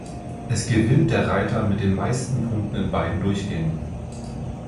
Es gewinnt der Reiter mit den meisten Punkten in beiden Durchgängen.